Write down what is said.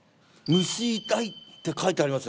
「虫痛」って書いてあります